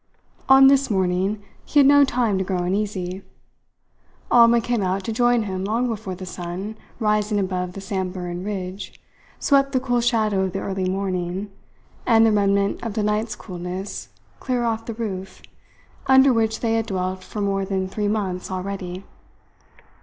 On this morning he had no time to grow uneasy. Alma came out to join him long before the sun, rising above the Samburan ridge, swept the cool shadow of the early morning and the remnant of the night's coolness clear off the roof under which they had dwelt for more than three months already.